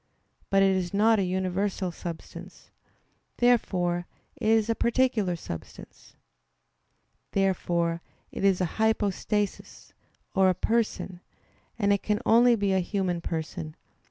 But it is not a universal substance. Therefore it is a particular substance. Therefore it is a "hypostasis" or a person; and it can only be a human person.